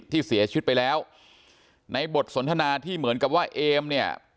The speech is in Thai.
ที่เสียชีวิตไปแล้วในบทสนทนาที่เหมือนกับว่าเอมเนี่ย